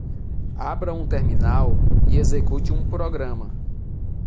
Abra um terminal e execute um programa.